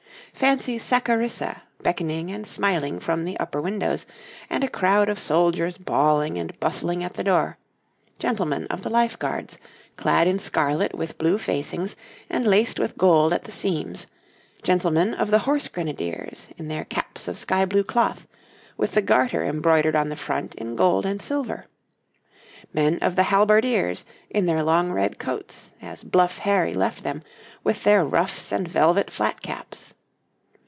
Fancy Saccharissa beckoning and smiling from the upper windows, and a crowd of soldiers bawling and bustling at the door gentlemen of the Life Guards, clad in scarlet with blue facings, and laced with gold at the seams; gentlemen of the Horse Grenadiers, in their caps of sky blue cloth, with the garter embroidered on the front in gold and silver; men of the Halberdiers, in their long red coats, as bluff Harry left them, with their ruffs and velvet flat caps.